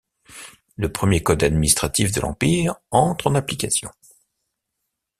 Le premier code administratif de l'Empire entre en application.